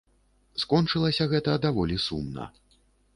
Скончылася гэта даволі сумна.